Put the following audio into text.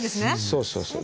そうそうそう。